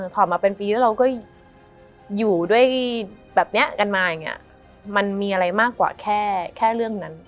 ผ่านมาเป็นปีแล้วเราก็อยู่ด้วยแบบนี้กันมาอย่างนี้มันมีอะไรมากกว่าแค่เรื่องนั้น